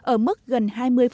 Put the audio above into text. ở mức gần hai mươi